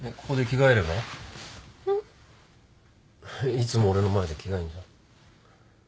いつも俺の前で着替えんじゃん。